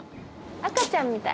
赤ちゃんみたい。